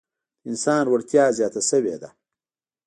د انسان وړتیا زیاته شوې ده.